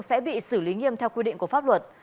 các đối tượng sẽ bị xử lý nghiêm theo quy định của pháp luật